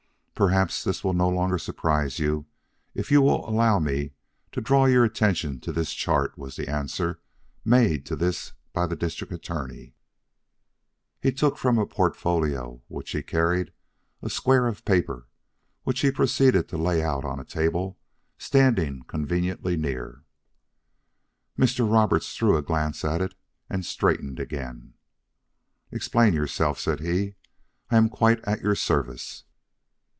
"Perhaps this will no longer surprise you, if you will allow me to draw your attention to this chart," was the answer made to this by the District Attorney. Here he took from a portfolio which he carried a square of paper which he proceeded to lay out on a table standing conveniently near. Mr. Roberts threw a glance at it and straightened again. "Explain yourself," said he. "I am quite at your service."